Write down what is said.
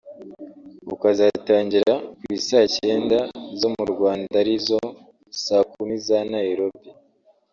ukazatangira ku I Saa Cyenda zomu Rwanda ari zo Saa kumi za Nairobi